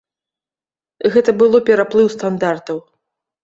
Гэта было пераплыў стандартаў.